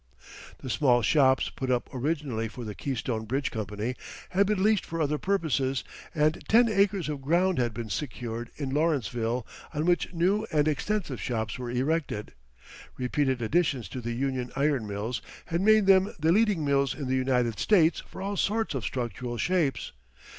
The small shops put up originally for the Keystone Bridge Company had been leased for other purposes and ten acres of ground had been secured in Lawrenceville on which new and extensive shops were erected. Repeated additions to the Union Iron Mills had made them the leading mills in the United States for all sorts of structural shapes.